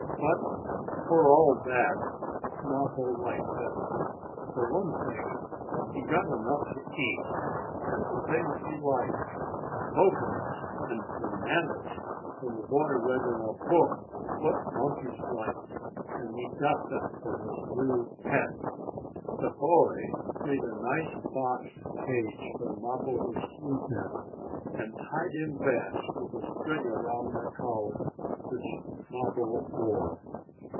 But, for all that, Mappo liked it. For one thing he got enough to eat, and the things he liked cocoanuts and bananas, for the boy read in a book what monkeys liked, and got them for his new pet. The boy made a nice box cage for Mappo to sleep in, and tied him fast with a string around the collar, which Mappo wore.